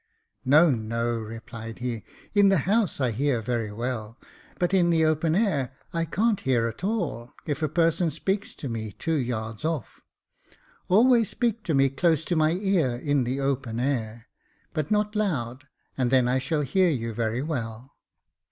" No, no," replied he, " in the house I hear very well, 200 Jacob Faithful but in the open air I can't hear at all, if a person speaks to me two yards oif. Always speak to me close to my ear in the open air, but not loud, and then I shall hear you very well."